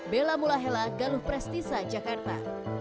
bela mula hela galuh prestisa jakarta